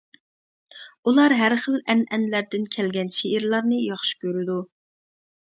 ئۇلار ھەر خىل ئەنئەنىلەردىن كەلگەن شېئىرلارنى ياخشى كۆرىدۇ.